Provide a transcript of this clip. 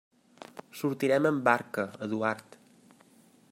Sortirem amb barca, Eduard.